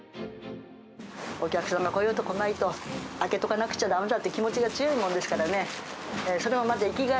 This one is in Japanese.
お客さんが来ようと来まいと、開けとかなくちゃだめだっていう気持ちが強いもんですからね。